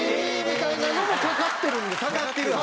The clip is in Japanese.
みたいなのもかかってるんですよ。